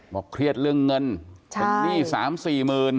บอกเครียดเรื่องเงินเป็นหนี้๓๔หมื่น